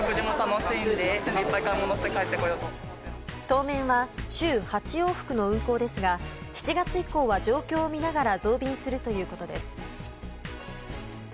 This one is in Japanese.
当面は週８往復の運航ですが７月以降は状況を見ながら増便するということです。